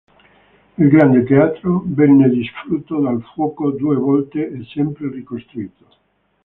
Il grande teatro venne distrutto dal fuoco due volte e sempre ricostruito.